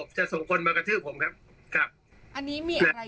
คุณผู้ชมครับ